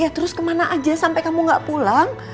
ya terus kemana aja sampai kamu gak pulang